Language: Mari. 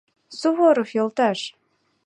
— Суворов йолташ!